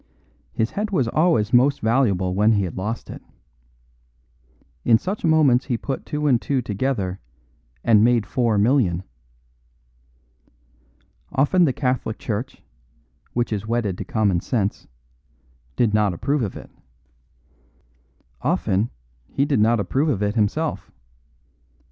His head was always most valuable when he had lost it. In such moments he put two and two together and made four million. Often the Catholic Church (which is wedded to common sense) did not approve of it. Often he did not approve of it himself.